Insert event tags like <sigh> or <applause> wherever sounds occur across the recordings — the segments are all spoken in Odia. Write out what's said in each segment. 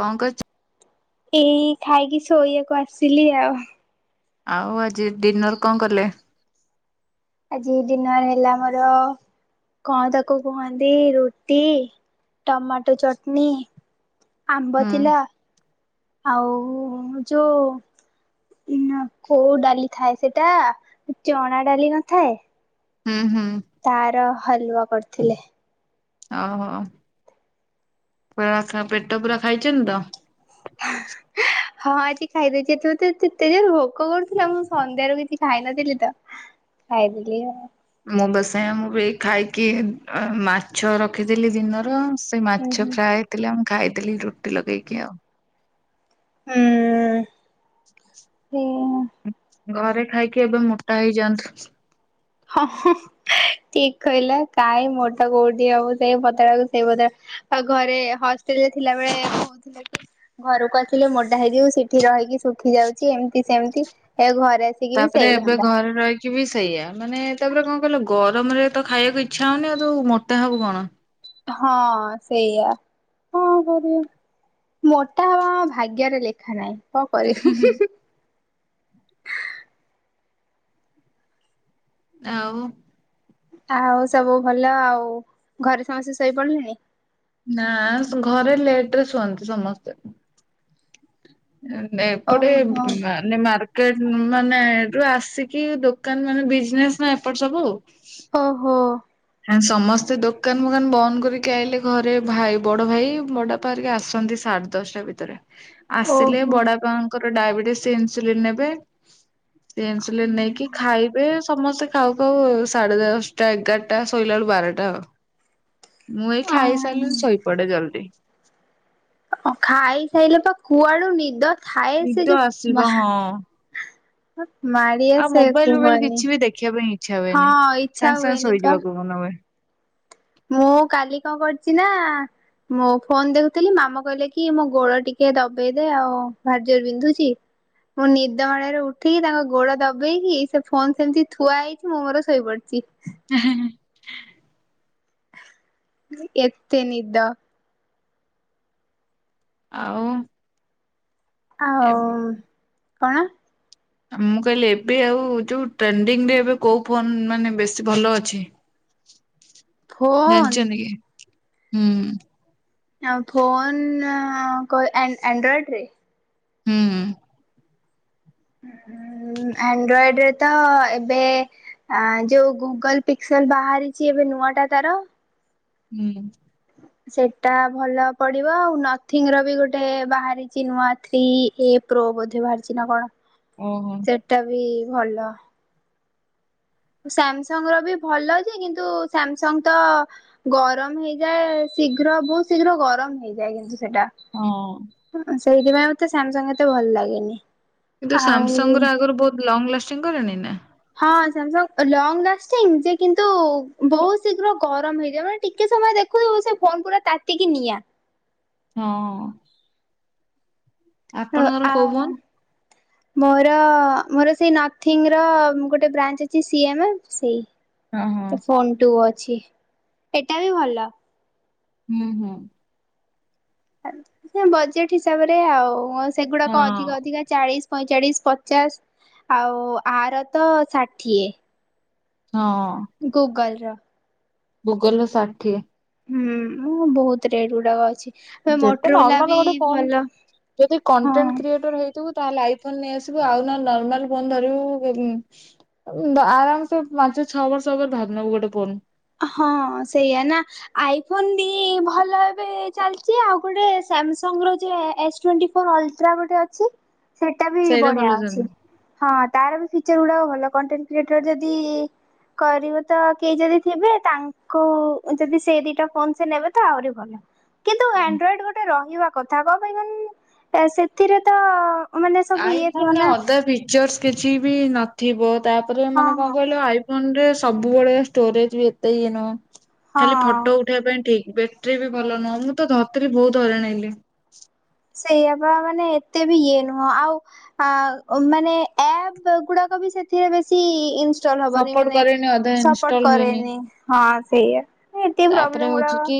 କଣ କରୁଚୁ? ଏଇ ଖାଇକି ଶୋଇବାକୁ ଆସିଲି ଆଉ। ଆଉ ଆଜି ଡିନର୍ କଣ କଲେ? ଆଜି ଡିନର ହେଲା ମୋର କଣ ତାକୁ କୁହନ୍ତି ରୁଟି ଟମାଟୋ ଚଟନି ଆମ୍ବ ହୁଁ ଥିଲା ଆଉ ଯୋଉ ନା କୋଉ ଡାଲି ଥାଏ ସେଟା ଚଣା ଡାଲି ନଥାଏ। ହୁଁ ହୁଁ। ତାର ହାଲୁଆ କରିଥିଲେ। ଓହୋ ପୁରା ଖ ପେଟ ପୁରା ଖାଇଚନ୍ତି ତ? ହଁ ଆଜି ଖାଇଦେଇଛି ଏତ ମତେ ଏତେ ଯେରେ ଭୋକ କରୁଥିଲା ମୁଁ ସନ୍ଧ୍ୟାରେ କିଛି ଖାଇ ନଥିଲି ତ ଖାଇଦେଲି ଆଉ। ମୁଁ ବା ସେୟା ମୁଁ ବି ଏଇ ଖାଇକି ଅ ମାଛ ରଖିଥିଲି ଦିନର ସେ ସେଇ ମାଛ ହୁଁ ଫ୍ରାଏ ହେଇଥିଲା ମୁଁ ଖାଇଦେଲି ରୁଟି ଲଗେଇକି ଆଉ। ହୁଁ ହୁଁ। ଘରେ ଖାଇକି ଏବେ ମୋଟା ହେଇଯାଆନ୍ତୁ। ହଁ ହଁ ଠିକ କହିଲା କାଇଁ ମୋଟା କୋଉଠି ହବ ସେଇ ପତଳା କୁ ସେଇ ପତଳା। ଆଉ ଘରେ ହଷ୍ଟେଲ ରେ ଥିଲାବେଳେ କଉଥିଲା କି ଘରକୁ ଆସିଲେ ମୋଟା ହେଇଯିବୁ ସେଠି ରହିକି ଶୁଖି ଯାଉଛି ଏମିତି ସେମିତି ଏ ଘରେ ଆସିକି ବି ତାପରେ ସେଇ ଏବେ ଧନ୍ଦା ଘରେ ରହିକି ବି ସେଇଆବମାନେ ତାପରେ କଣ କଇଲ ଗରମରେ ତ ଖାଇବାକୁ ଇଚ୍ଛା ହଉନି ଆଉ ତୁ ମୋଟା ହବୁ କଣ? ହଁ ସେଇଆ କଣ କରିବ? ମୋଟା ହବ ଆ ଭାଗ୍ୟରେ ଲେଖା ନାହିଁ କଣ କରିବି? ଆଉ। ଆଉ ସବୁ ଭଲ ଆଉ ଘରେ ସମସ୍ତେ ଶୋଇପଡିଲେଣି। ନା ଶ୍ ଘରେ ଲେଟ ରେ ଶୁଅନ୍ତି ସମସ୍ତେ। ଉଁ ନେ ଏପଟେ ଓହୋ ଭୁ ନା ମାନେ ମାର୍କେଟ ନୁ ମାନେ ରୁ ଆସିକି ଦୋକାନ ମାନେ ବିଜନେସ ନା ଏପଟ ସବୁ‌। ଓହୋ! ଆ ସମସ୍ତେ ଦୋକାନ ଫୋକାନ ବନ୍ଦ କରିକି ଆଇଲେ ଘରେ ଭାଇ ବଡ ଭାଇ ବଡାପା ହରିକା ଆସନ୍ତି ସା ଡେ ଦଶଟା ଭିତରେ। ଆସିଲେ ଓହୋ ବଡବାପାଙ୍କର ଡାଇବେଟିସ ସେ ଇନ୍ସୁଲିନ ନେବେ ସେ ଇନ୍ସୁଲିନ ନେଇକି ଖାଇବେ ସମସ୍ତେ ଖାଉ ଖାଉ ସାଢେ ଦଶଟା ଏଗାର ଟା ଶୋଇଲା ବେଳୁ ବାରଟା ଆଉ ମୁଁ ଏଇ ଖାଇସାଇଲିିନି ଶୋଇପଡେ ଜଲ୍ଦି। ଅ ଖାଇସାଇଲେ ତ କୁଆଡୁ ନିଦ ଥାଏ ନିଦ ସେ ଯୋଉ ଆସିବ ମା ହଁ ମାଡି ଆଉ ଆସେ ମୋବାଇଲ ଫୋବାଇଲ କୁହନି କିଛି ବି ଦେଖିବା ପାଇଁ ଇଚ୍ଛା ହଁ ହୁଏନି ଇଚ୍ଛା ସାଙ୍ଗେ ସାଙ୍ଗେ ହୁଏନି ପା ଶୋଇଯିବାକୁ ମନ ହୁଏ। ମୁଁ କାଲି କଣ କରିଚି ନା ମୋ ଫୋନ ଦେଖୁଥିଲି ମାମା କହିଲେ କି ମୋ ଗୋଡ ଟିକେ ଦବେଇ ଦେ ଆଉ ଭାରି ଯୋରେ ବିନ୍ଧୁଛି ମୁଁ ନିଦ ମାଇଳାରୁ ଉଠିକି ତାଙ୍କ ଗୋଡ ଦବେଇକି ସେ ଫୋନ ସେମିତି ଥୁଆ ହେଇଛି ମୁଁ ମୋର ଶୋଇପଡି ଚି। <inaudible> ଏତେ ନିଦ। ଆଉ। ଏ ଆଉ କଣ? ଆ ମୁଁ କହିଲି, ଏବେ ଆଉ ଯୋଉ ଟ୍ରେଣ୍ଡିଙ୍ଗ ରେ ଏବେ କୋଉ ଫୋନ ମାନେ ବେଶୀ ଭଲ ଅଛି। <unintelligible> ଫୋନ୍ ଜାଣିଛନ୍ତୀ କି ହୁଁ। ଆଉ ଫୋନ କ ଆଣ୍ଡ ଆଣ୍ଡ୍ରଏଡ ରେ। ହୁଁ ଆଣ୍ଡ୍ରଏଡ ରେ ତ ଏବେ ଯୋଉ ଗୁଗଲ ପିକ୍ସଲ ବାହାରିଛି ଏବେ ନୂଆ ଟା ତାର ହୁଁ ସେଟା ଭଲ ପଡିବ ଆଉ ନଥିଙ୍ଗ ର ବି ଗୋଟେ ବାହାରିଛି ନୂଆ ଥ୍ରୀ ଏ ପ୍ରୋ ବୋଧେ ବାହାରିଛି ନା କଣ ଓହୋ ସେଟା ବି ଭଲ ସାମସଙ୍ଗ ର ବି ଭଲ ଯେ କିନ୍ତୁ ସାମସଙ୍ଗ ତ ଗରମ ହେଇଯାଏ ଶୀଘ୍ର ବହୁତ ଶୀଘ୍ର ଗରମ ହେଇଯାଏ କିନ୍ତୁ ସେଟା ହଁ ସେଇଥିପାଇଁ ମତେ ସାମସଙ୍ଗ ଏତେ ଭଲ ଲାଗେନି। କିନ୍ତୁ ଆଉ ସାମସଙ୍ଗ ର ଆଗରୁ ବହୁତ ଲଙ୍ଗ ଲାଷ୍ଟିଂ କରେଣି ନା? ହଁ ସାମଙ୍ଗ ଲଙ୍ଗ ଲାଷ୍ଟିଙ୍ଗ ଯେ କିନ୍ତୁ ବହୁତ ଶୀଘ୍ର ଗରମ ହେଇଯାଏ ମାନେ ଟିକେ ସମୟ ଦେଖ ସେ ଫୋନ ପୁରା ତାତିକି ନିଆଁ। ହଁ ହ ଆପଣଙ୍କର ଆ କୋଉ ଫୋନ୍? ମୋର ମୋର ସେଇ ନର୍ଥିଙ୍ଗର ଗୋଟେ ବ୍ରାଞ୍ଚ ଅଛି ସିଏମ୍ ଏ ସେଇ ଓ ହଁ ଫୋନ୍ ଟୁ ଅଛି ଏଟା ବି ଭଲ ହୁଁ ହୁଁ ବଜେଟ୍ ହିସାବରେ ଆଉ ସେଗୁଡାକ ଅଧି ଅଧିକା ହଁ ଅଧିକା ଚାଳିଶ ପଇଁଚାଳିଶ ପଚାଶ ଆଉ ଆର ତ ଷାଠିଏ ହଁ ଗୁଗଲର ଗୁଗଲ ର ଷାଠିଏ ହୁଁ ବହୁତ ରେଟ୍ ଗୁଡାକ ଅଛି ଯେତେ ମୋଟରୋଲା ନର୍ମାଲ ବି ଗୋଟେ ଫୋନ୍ ଭଲ ଯଦି ହଁ। କଣ୍ଟେଣ୍ଟ କ୍ରିଏଟର ହେଇ ଥିବୁ ତାହେଲେ ଆଇ ଫୋନ ନେଇ ଆସିବୁ ଆଉ ନର୍ମାଲ ଫୋନ୍ ଧରିବୁ ଆରାମସେ ପାଞ୍ଚ ଛଅ ବର୍ଷ ପରେରେ ଭାଗ ନେବୁ ଗୋଟେ ଫୋନ୍ ହଁ ସେଇଆ ନା ଆଇଫୋନ ବି ଭଲ ଏବେ ଚାଲିଛି ଆଉ ଗୋଟେ ସାମସଙ୍ଗ ରଯେ ଏସ ଟ ଅଲଟ୍ରା ଗୋଟେ ଅଛି ସେଇଟା ବି ବଢିଆ ଭଲ ଅଛି ଚାଲୁନି। ହଁ ତାର ବି ଫିଚର ଗୁଡାକ ଭଲ କଣ୍ଟେଣ୍ଟ କ୍ରିଏଟର ଯଦି କରିବୁ ତ କେହି ଯଦି ଥିବେ ତାଙ୍କୁ ଯଦି ସେଇ ଦିଟା ଫୋନ ସେ ନେବେ ତ ଆହୁରି ଭଲ କିନ୍ତୁ ଆଣ୍ଡ୍ରଏଡ ଗୋଟେ ରହିବା କଥା କଣ ପାଇଁ କହିନୁ ସେଥିରେ ତ ଅ ମାନେ ସବୁ ଇଏ ଥିବ ନା ଜସ କିଛି ବି ନଥିବ ତାପରେ ହଁ ମାନେ କଣ ହଁ କହିଲ ଆଇ ଫୋନରେ ସବୁବେଳେ ଷ୍ଟୋରେଜ ବି ଏତେ ଇ ନୁହ ଖାଲି ହଁ। ଫଟୋ ଉ ଉଠେଇିବା ପାଇଁ ଠିକ ବେଟେରି ବି ଭଲ ନୁହଁ ମୁଁ ତ ଧରିଥିଲି ବହୁତ ହଇରାଣ ହେଲି ସେଇଆ ବା ମାନେ ଏତେ ବି ଇଏ ନୁହଁ ଆଉ ଆ ମାନେ ଆପ ଗୁଡ଼ାକ ବି ସେଥିରେ ବେଶୀ <unintelligible> ହବନି ସପୋର୍ଟ ମାନେ କରେନି ଅଧା ସପର୍ଟ ଇନଷ୍ଟଲ ହୁଏନି କରେନି ହଁ ସେଇ ତାପରେ ହଉଛି କି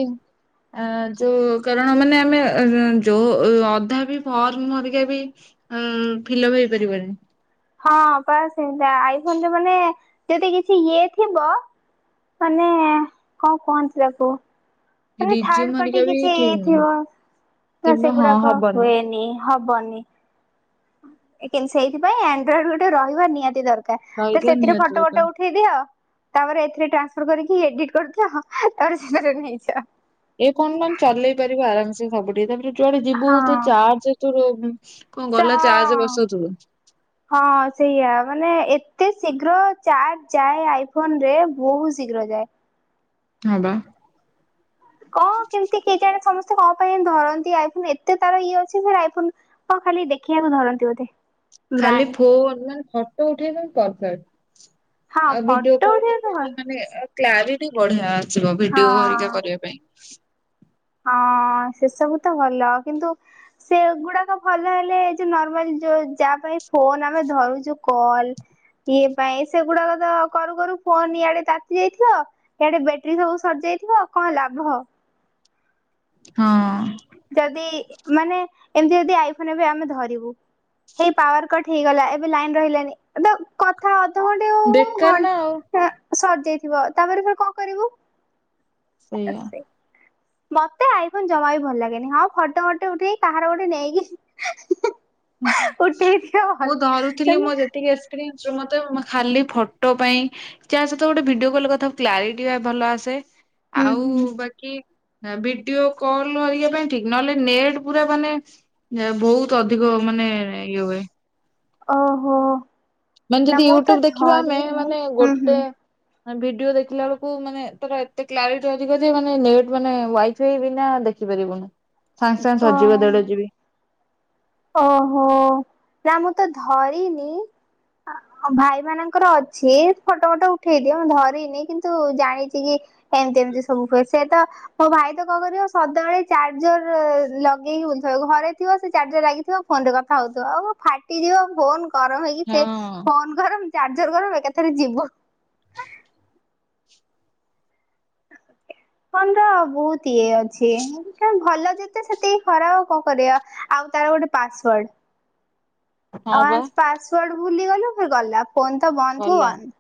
ଆ ଯୋଉ କାରଣ ମାନେ ଆମେ ଯୋଉ ଅଧା ବି ଫର୍ମ ଭରିକା ବି ଉଁ ଫିଲପ ହେଇପାରିବନି। ହଁ ପା ସେମି ଆଇଫୋନରେ ମାନେ ଯଦି କିଛି ଇଏ ଥିବ, ମାନେ କଣ କୁହନ୍ତି ତାକୁ ମାନେ ରିଜ୍ୟୁମ ଥାର୍ଡ ପାର୍ଟି ହରିକା ବି କିଛି ଠିକ ନୁହଁ ଇଏଥିବ ନା କିମ୍ବା ହଁ ସେଗୁଡ଼ାକ ହବନି ହୁଏନି। ହବନି। <unintelligible> ସେଇଥିପାଇଁ ଆଣ୍ଡ୍ରଏଡ ଗୋଟେ ରହିବା ନିହାତି ଦରକାର। ତ ରହିଯିବ ସେଥିରେ ନିହାତି ଫଟୋ ବଟ ଦରକାର। ଉଠ ଉଠେଇ ଦିଅ, ତାପରେ ଏଥିରେ ଟ୍ରାନ୍ସଫର କରିକି ଏଡ଼ିଟି କରିଦିଅ। ତାପରେ <unintelligible> ସେଥି ନେଇଯା। ଏ ଫୋନ ମାନେ ଚଲେଇ ପାରିବ ଆରାମ ସେ ସବୁଠି ତାପରେ ଯୁଆଡ଼େ ଯିବୁ ହଁ ତୁ ଚାର୍ଜ କଣ ସେ ଗଲା ହଁ। ଚାର୍ଜ ବସାଉଥିବୁ। <inaudible> ହଁ ସେଇଆ ମାନେ ଏତେ ଶୀଘ୍ର ଚାର୍ଜ ଯାଏ। ଆଇଫୋନରେ ବହୁତ ଶୀଘ୍ର ଯାଏ। ହଁ ବା। କଣ କେମିତି କେ ଜାଣେ ସମସ୍ତେ କଣ ପାଇଁ ଧରନ୍ତି ଆଇଫୋନ। ଏତେ ତାର ଇଏ ଅଛି ଆଇ ଫୋନ ହଁ ଖାଲି ଦେଖେଇବାକୁ ଧରନ୍ତି ବୋଧେ। ଖାଲି ବ୍ରାଣ୍ଡ ଫୋନ୍ ମାନେ ଫଟୋ ଉଠେଇବା ପରଫେକ୍ଟ। ହଁ ଆଉ ଭିଡ଼ିଓ ଫଟୋ କଲ ଉଠେଇବାକୁ ଘରିକା ମାନେ କ୍ଲାରିଟି ବଢ଼ିଆ ଆସିବ ଭିଡ଼ିଓ ଘରିକା ହଁ। କରିବା ପାଇଁ। ହଁ ସେ ସବୁ ତ ଭଲ, କିନ୍ତୁ ସେଗୁଡ଼ାକ ଭଲ ହେଲେ ଯଉ ନର୍ମାଲ ଯାହା ପାଇଁ ଫୋନ ଆମେ ଧରୁଚୁ କଲ ଇଏ ପାଇଁ ସେଗୁଡ଼ାକ ତ କରୁ କରୁ ଫୋନ ଇଆଡ଼େ ତାତି ଯାଇଥିବ। ଇଆଡ଼େ ବ୍ୟାଟେରୀ ସବୁ ସରି ଯାଇଥିବ ଆଉ କଣ ଲାଭ। ହଁ। ଯଦି ମାନେ ଏମିତି ଯଦି ଆଇଫୋନ ଏବେ ଆମେ ଧରିବୁ, ହେଇ ପାୱାରକଟ ହେଇଗଲା ଏବେ ଲାଇନ ରହିଲାନି ତ କଥା ଅଧଘଣ୍ଟେ ହଉହଉ ବେକାର ନା ଆଉ ଘ-ଟ ସରିଯାଇଥିବ ତାପରେ ପରେ କଣ କରିବୁ। ସେଇଆ। ମତେ ଆଇଫୋନ ଜମା ବି ଭଲ ଲାଗେନି। ହଁ ଫଟବଟ ଉଠେଇ କାହାର ଗୋଟେ ନେଇକି <unintelligible> ହୁଁ। <unintelligible> ଉଠେଇ ଦିଅ ମୁଁ ଭଲ। ଧରୁଥିଲି ତମେ ମୋ <unintelligible> ମତେ ଖାଲି ଫଟୋ ପାଇଁ ଯା ସହିତ ଗୋଟେ ଭିଡିଓ କଲ କଥା କ୍ଲାରିଟି ଭଲ ଆସେ। ହୁଁ ହୁଁ ଆଉ ବଟ୍ କି ଭିଡିଓ କଲ ଘରିକା କରିବାର ପାଇଁ ଠିକି ନହେଲେ ନେଟ୍ ପୁରା ମାନେ ବହୁତ ଅଧିକ ମାନେ ଇଏ ହୁଏ। ଓଃ ହୋ। ମାନେ ଯଦି ୟୁଟ୍ୟୁବ ଦେଖିବା ଆମେ ମାନେ ହୁଁ ହୁଁ ଗୋଟେ ଭିଡିଓ ଦେଖିଲା ବେଳକୁ ମାନେ ତାର ଏତେ କ୍ଲାରିଟି ଅଧିକ ଯେ ମାନେ ନେଟ୍ ମାନେ ୱାଇଫାଇ ବିନା ଦେଖି ଦେଖିପାରିବୁନୁ ସାଙ୍ଗେ ସାଙ୍ଗେ ସରିଯିବ ଦେଢ଼ ଜିବି। ଓ ହୋ ନା ମୁଁ ତ ଧରିନି, ଭାଇ ମାନଙ୍କର ଅଛି ଫଟବଟ ଉଠେଇ ଦିଅ ମୁଁ ଧରିନି କିନ୍ତୁ ଜାଣିଚି କ ଏମତି ଏମିତି ସବୁ ହୁଏ। ସେତ ମୋ ଭାଇ ତ କଣ କରିବ ସଦାବେଳେ ଚାର୍ଜର ଲଗେଇ ବୁଲୁଥିବ ଘରେ ଥିବ ସେ ଚାର୍ଜର ଲାଗିି ଫୋନରେ କଥା ହଉଥିବ ଆଉ ଫାଟିଯିବ ଫୋନ ଗରମ ହେଇକି ସେ ଫୋନ ହଁ ଫୋନ ଗରମ ଚାର୍ଜର ଗରମ ଏକାଥରେ ଯିବ। ଏ ଫୋନର ବହୁତ ଇଏ ଅଛି। ଏଇଟା ଭଲ ଯେତେ ସେତିକି ଖରାପ କଣ କରିବା ଆଉ ତାର ଗୋଟେ ପାସ୍ୱାଡ଼ ହଁ ବା ୱାନସ ପାୱାର୍ଡ ଭୁଲିଗଲୁ ଫେରେ ଗଲା ଫୋନ ତ ବନ୍ଦ କୁ ଭଲ। ବନ୍ଦ।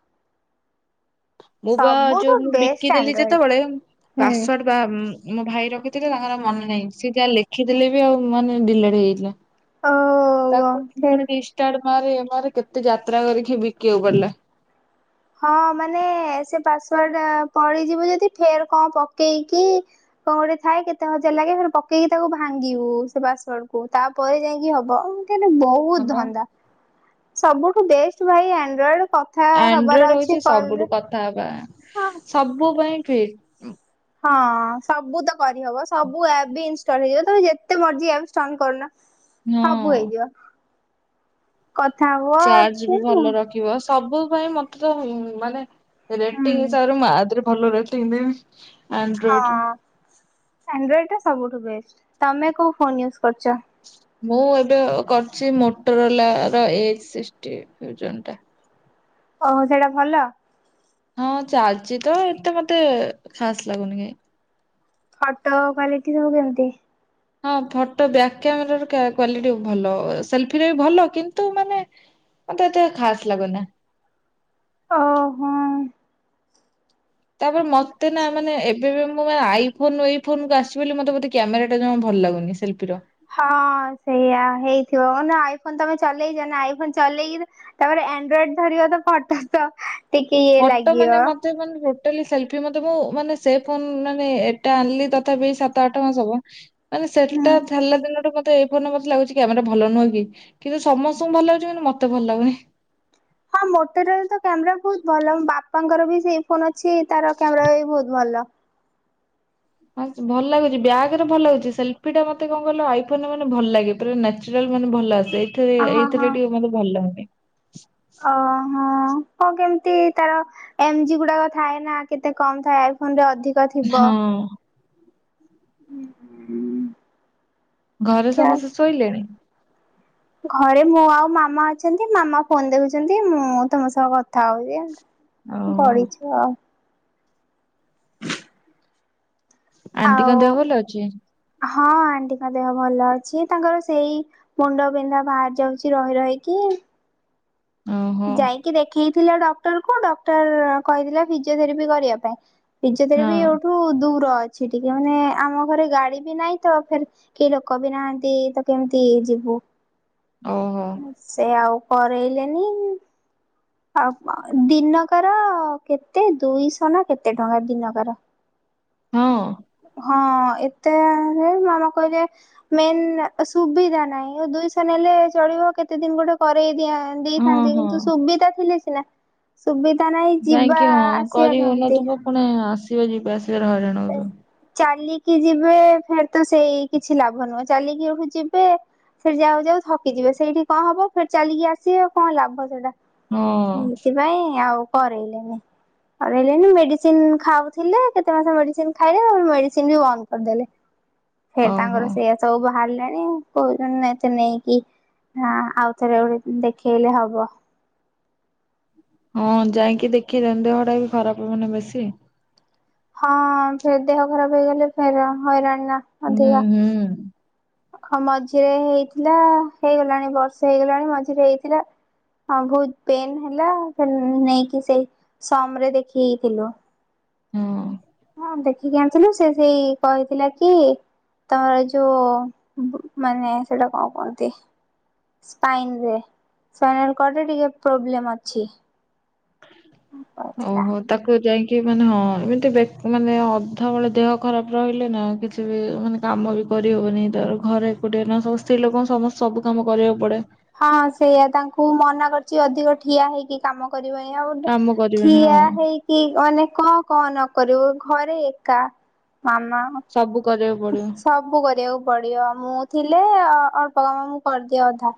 ମୁଁ ବା ସବୁଠୁ ଯୋଉ ମୁଁ ବେଷ୍ଟ ବିକିଦେଲି ଆଣ୍ଡ୍ରଏଡ ଯେତେବେଳେ ହୁଁ ପାସୱାଡ ବା ମୋ ଭାଇ ରଖିଥିଲେ ତାଙ୍କର ମନେ ନାହିଁ ସିଏ ଯା ଲେଖିଦେଲେବି ଆଉ ମାନେ ଡିଲେଡ ହେଇଥିଲା। ଓ ତାକୁ ଫେର ପୁଣୀ ରୀଷ୍ଟାର ମାରେ ଇଏ ମାରେ କେତେ ଯାତ୍ରା କରିକି ବିକିବାକୁ ପଡିଲା। ହଁ ମାନେ ସେ ପାସ୍ ୱାର୍ଡ ପଳେଇଯିବୁ ଯଦି ଫେରେ କଣ ପକେଇକି କଣ ଗୋଟେ ଥାଏ, କେତେ ହଜାର ଲାଗେ ଫେର ପକେଇ ତାକୁ ଭାଙ୍ଗିବୁ ସେ ପାସୱାର୍ଡ କୁ ତା ପରେ ଯାଇକି ହବ ଏକେନେ ବ ହୁତ ହଁ ବା ଧନ୍ଦା ସବୁଠୁ ବେଷ୍ଟ ଭାଇ ଆନ୍ଡ୍ରୁଏଡ କଥା ହବାର ଆନ୍ଡ୍ରୁଏଡ ଅଛି ହଉଛି କଲରେ ସବୁଠୁ କଥା ହେବା ହଁ ସବୁ ପାଇଁ ଫିଟ୍। ହଁ ସବୁତ କରିହବ ସବୁ ଆପ୍ ବି ଇଂସ୍ଟଲ ହେଇଯିବ ତମେ ଯେତେ ମର୍ଜି ଆପ ସ୍ଟଲ କରୁନ। ସବୁ ହଁ ହେଇଯିବ କଥା ହୁଅ ଚାର୍ଜ ବି ଭଲ ରଖିବ ସବୁ ପାଇଁ ମତେ ତ ମାନେ ହଁ। ରେଟିଂ ହିସାବରେ ମୁଁ ଆଦରେ ଭଲ ରେଟିଂ ଦେବି। ହଁ ଆଣ୍ଡ୍ରଏଡ ଆନ୍ଡ୍ରୁଏଡ ଟା ସବୁଠୁ ବେଷ୍ଟ ତମେ କୋଉ ଫୋନ ୟୁଜ୍ କରୁଛ। ମୁଁ ଏବେ କରିଛି ମୋଟ୍ରୋଲାର ର ଏ ସିକ୍ଟିଁ ଭର୍ଜନ ଟା। ଓହୋ ସେଇଟା ଭଲ? ହଁ ଚାଲିଛି ତ ଏତେ ମତେ ଖାସ ଲାଗୁନି କାଇଁ। ଫୋଟୋ କ୍ୟଲିଟି ସବୁ କେମତି? ହଁ ଫଟୋ ବ୍ୟାକ୍ କ୍ୟାମେର ର କ୍ଵାଲିଟି ଭଲ ସେଲଫି ବି ଭଲ କିନ୍ତୁ ମାନେ ମତେ ଏତେ ଖାଷ୍ଟ ଲାଗୁନି। ଓହୋ। ତାପରେ ମତେ ନା ମାନେ ଏବେ ବି ମୁଁ ବା ଆଇ ଫୋନ ଏଇ ଫୋନ୍ ଆସିବି ମତେ ବୋଧେ କ୍ୟାମେରା ଟା ଜମା ଭଲ ଲାଗୁନି ସେଲ୍ଫିର। ହଁ ସେଇଆ ହେଇଥିବ ଆଇ ଫୋନ ତମେ ଚଲେଇଚ ନା ଆଇ ଫୋନ ଚଲେଇକି ତାପରେ ଆଣ୍ଡ୍ରଏଡ ଧରିବ ତ ଫଟୋ ତ ଟିକେ ଇଏ ଲାଗିବ। ତ ମାନେ ତୋଟାଲି ସେଲ୍ଫି ମତେ ମୁଁ ମାନେ ସେ ଫୋନ ମାନେ ଏଟା ଆଣିଲି ତଥାପି ସାତ ଆଠ ମାସ ହବ ମାନେ ସେଟା ହୁଁ। ଛାଡ଼ିଲା ଦିନଠୁ ମତେ ଏଇ ଫୋନ ମତେ ଲାଗୁଛି କ୍ୟାମେରା ଭଲ ନୁହେଁ କି କିନ୍ତୁ ସମସ୍ତଙ୍କୁ ଭଲ ଲାଗୁଛି କିନ୍ତୁ ମତେ ଭଲ ଲାଗୁନି। ହଁ ମୋଟେରଲା ତ କ୍ୟାମେରା ବହୁତ ଭଲ ବାପାଙ୍କର ବି ସେଇ ଫୋନ ଅଛି ତାର କ୍ୟାମେରା ବି ବହୁତ ଭଲ। ହଁ ଭଲ ଲାଗୁଚି ବ୍ୟାଗ୍ ରେ ଭଲ ହୋଊଛି ସେଲ୍ଫି ଟା ମତେ କଣ କଲ ଆଇଫୋନରେ ମାନେ ଭଲ ଲାଗେ। ପୁରା ନେଚୁରାଲ ମାନେ ଭଲ ଆସେ ଏଇଥିରେ ଅ ହଁ ହଁ। ଏଇଥିରେ ଟିକେ ମତେ ଭଲ ହୁଉନି। ଓହୋ। ହଁ କେମିତି ତାର ଏମଜି ଗୁଡାକ ଥାଏ ନା କେତେ କମ ଥାଏ ଆଇଫୋନ ରେ ଅଧିକ ଧିକ ଥିବ। ହଁ ଘରେ ସମସ୍ତେ ଶୋଇଲେଣି? ଘରେ ମୁଁ ଆଉ ମାମା ଅଛନ୍ତି ମାମା ଫୋନ ଦେଖୁଛନ୍ତି ମୁଁ ତମ ସହ କଥା ହଉଛି। ଓହୋ ଗଡିଚୁ ଆଉ। ଆଣ୍ଟିଙ୍କ ଆଉ ଦେହ ଭଲ ଅଛି? ହଁ ଆଣ୍ଟିଙ୍କ ଦେହ ଭଲ ଅଛି ତାଙ୍କର ସେଇ ମୁଣ୍ଡ ବିନ୍ଧା ବାହାରି ଯାଉଛି ରହି ରହିକି। ଓହୋ ଯାଇକି ଦେଖେଇଥିଲା ଡକ୍ଟର କୁ ଡକ୍ଟର କହିଥିଲା ଫିଜିଓଥେରାପି କରିବା ପାଇଁ ହଁ ଫିଜିଓଥେରାଫି ଏଉଠୁ ଦୂର ଅଛି ଟିକେ ମାନେ ଆମ ଘରେ ଗାଡି ବି ନାଇଁ ତ ଫେର୍ କେହୀ ଲୋକ ବି ନାହାନ୍ତି ତ କେମିତି ଯିବୁ? ଓହୋ। ସେ ଆଉ କରେଇଲେନି। ଆଉ ଦିନକ ର କେତେ ଦୁଇଶ ନା କେତେ ଟଙ୍କା ଦିନ କର? ହଁ। ହଁ ଏତେ ରେ ହାରେ ମାମା କହିଲେ ମେନ୍ ସୁବିଧା ନାହିଁ ଦୁଇଶହ ନେଲେ ଚଳିବ କେତେ ଦିନ ଗୋଟେ କରେଇ ଦିଆ ହଁ ଦେଇଥାନ୍ତି ହଁ। କିନ୍ତୁ ସୁବିଧା ଥିଲେ ସିନା। ସୁବିଧା ନାହିଁ ଯିବା ଯାଇକି ଆସିବା କେମିତି? ଯିବା ଯିବା ଆସିବାରେ ହଇରାଣ ହଉଥିବ। ଚାଲିକି କି ଯିବେ ଫେର ତ ସେଇ କିଛି ଲାଭ ନୁହେଁ ଚାଲିକି ଏଠୁ ଯିବେ ସେଠି ଯାଉ ଯାଉ ଥକି ଯିବେ ସେଇଠି କ ହବ ଫେରେ ଚାଲିକି ଆସିବେ କ ଲାଭ ସେଇଟା। ହଁ ହେଇଥିପାଇଁ ଆଉ କରେଇଲେନି କରେଇଲେନି ମେଡିସିନ ଖାଉଥିଲେ କେତେ ମାସ ମେଡି ସିନି ଖାଇଲେ ଆ ମେଡିସିନ ବି ବନ୍ଦ କରିଦେଲେ ଫେର୍ ଓହୋ ତାଙ୍କର ସେଇୟା ସବୁ ବାହାରିଲାଣି ଆଉ କହୁଛନ୍ତି ନେ ତୁ ନେଇକି ହଁ ଆଉ ଥରେ ଗୋଟେ ଦେଖେଇଲେ ହବ। ହଁ ଯାଇକି ଦେଖିଇଦିଅ ଦେହ ଟା ବି ଖରାପ ହବ ନା ବେଶୀ। ହଁ ଫେର୍ ଦେହ ଖରାପ ହେଇଗଲେ ଫେର ହଇରାଣ ନା ହୁଁ ଅଧିକା। ହୁଁ ମଝିରେ ହେଇଥିଲା ହେଇଗଲାଣି ବର୍ଷେ ହେଇଗଲାଣି ମଝିରେ ହେଇଥିଲା। ହଁ ବହୁତ ପେନ୍ ହେଲା ନେଇକି ସେଇ ସମରେ ଦେଖେଇଥିଲୁ। ହଁ। ଦେଖିକି ଆଣିଥିଲୁ ସେ ସେଇ କହିଥିଲା କି ତମର ଯୁ ମାନେ ସେଇଟା କଣ କୁହନ୍ତି? ସ୍ପାଇନ ରେ ସ୍ପାଇନାଲ କଡ ରେ ଟିକେ ପ୍ରୋବ୍ଲେମ ଅଛି। କହିଥିଲା। ଓହୋ। ତାକୁ ଯାଇକି ମାନେ ହଁ ଏମିତି ବେ ମାନେ ଅଧାବେଳେ ଦେହ ଖରାପ ରହିଲେ ନା କିଛି ବି ମାନେ କାମ ବି କରିହବନି ତର ଘରେ ଏକୁଟିଏ ନା ସ୍ତ୍ରୀ ଲୋକଙ୍କୁ ସମସ୍ତେ ସବୁ କାମ କରିବାକୁ ପଡେ। ହଁ ସେଇଆ ତାଙ୍କୁ ମନା କରିଛି ଅଧିକ ଠିଆ ହେଇକି କାମ କରିବନି ଆଉ କାମ କରିବେନି ଠିଆ ହଁ ହେଇ କି ମାନେ କ କ ନ କରିବୁ ଘରେ ଏକା ମାମା ସବୁ କରିବାକୁ ପଡିବ। ସବୁ କରିବାକୁ ପଡିବ ମୁଁ ଥିଲେ ଅଳ୍ପ କାମ ମୁଁ କରିଦିଏ ଅଧା